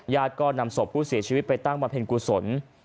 ญาติก็นำศพผู้เสียชีวิตไปตั้งบรรเภณกุศล